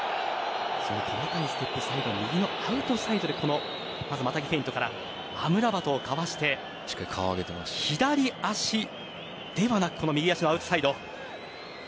細かいステップで右のアウトサイドでまたぎフェイントからアムラバトをかわして左足ではなく右足のアウトサイド。